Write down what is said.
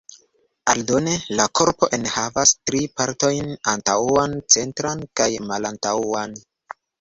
Aldone, la korpo enhavas tri partojn: antaŭan, centran kaj malantaŭan.